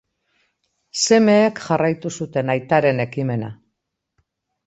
Semeek jarraitu zuten aitaren ekimena.